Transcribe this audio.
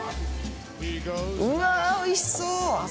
うわおいしそう！